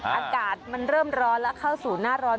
อากาศมันเริ่มร้อนแล้วเข้าสู่หน้าร้อน